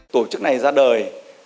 tổ chức này ra đời